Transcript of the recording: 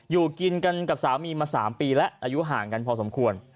อยู่กินกันกับสามีมา๓ปีแล้วอายุห่างกันพอสมควร